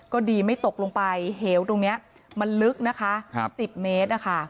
ก็ดีไม่ตกลงไปเหวตรงนี้มันลึกนะคะ๑๐เมตรนะคะ